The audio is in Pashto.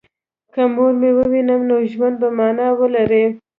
که مور مې ووینم نو ژوند به مانا ولري